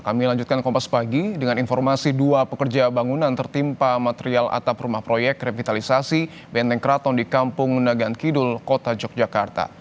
kami lanjutkan kompas pagi dengan informasi dua pekerja bangunan tertimpa material atap rumah proyek revitalisasi benteng keraton di kampung nagan kidul kota yogyakarta